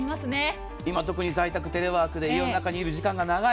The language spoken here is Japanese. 今、特に在宅、テレワークで家の中にいる時間が長い。